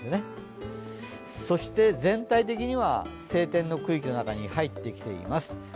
そして全体的には、晴天の区域の中に入ってきています。